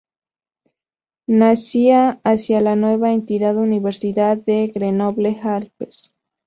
Nacía así la nueva entidad Universidad de Grenoble Alpes.